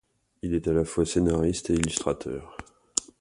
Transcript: Il est à la fois scénariste et illustrateur.